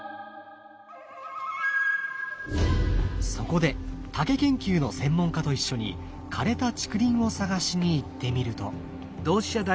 そこで竹研究の専門家と一緒に枯れた竹林を探しに行ってみると。